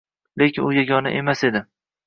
Lekin u yagona emas edi.